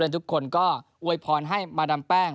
ทุกคนก็อวยพรให้มาดามแป้ง